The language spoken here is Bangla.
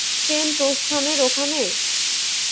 ট্রেন প্রস্থানের ওখানে?